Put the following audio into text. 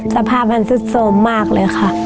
สภาพมันสุดโสมมากเลยค่ะ